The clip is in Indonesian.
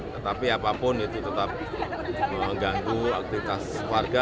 tetapi apapun itu tetap mengganggu aktivitas warga